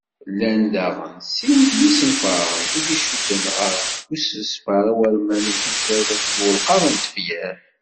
Llan daɣen sin n yisenfaren i icudden ɣer usesfer awurman n tutlayt akked ulqaḍ n tefyar;